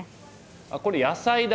あっこれ野菜だ。